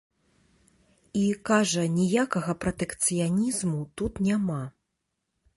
І, кажа, ніякага пратэкцыянізму тут няма.